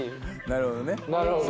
なるほどね。